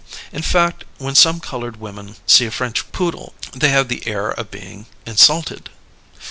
In fact, when some coloured women see a French Poodle they have the air of being insulted.